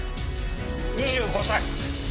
２５歳！